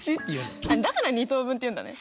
だから２等分っていうんだね。